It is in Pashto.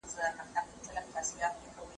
د بهرنیو چارو وزارت وارداتي تعرفه نه زیاتوي.